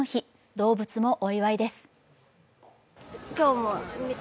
動物もお祝いです。